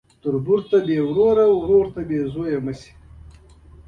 په نولس سوه پنځوس لسیزه کې بدلون د چټکې ودې په لور خوځاوه.